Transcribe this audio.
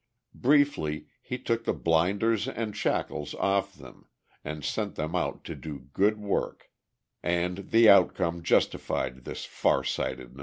Briefly, he took the blinders and shackles off them, and sent them out to do good work, and the outcome justified this far sightedness.